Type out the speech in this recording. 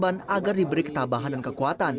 korban agar diberi ketabahan dan kekuatan